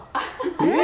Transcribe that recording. えっ？